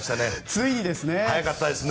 ついにですね。